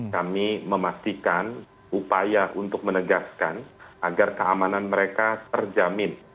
kami memastikan upaya untuk menegaskan agar keamanan mereka terjamin